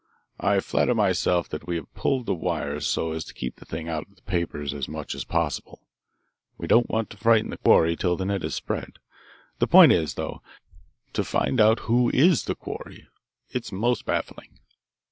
"I flatter myself that we have pulled the wires so as to keep the thing out of the papers as much as possible. We don't want to frighten the quarry till the net is spread. The point is, though, to find out who is the quarry. It's most baffling."